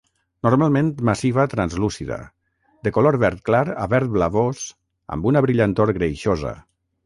Normalment massiva translúcida, de color verd clar a verd blavós, amb una brillantor greixosa.